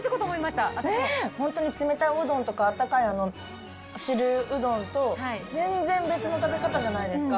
本当に冷たいおうどんとか、あったかい汁うどんと、全然別の食べ方じゃないですか。